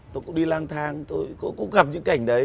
tôi cũng đi lang thang tôi cũng gặp những cảnh đấy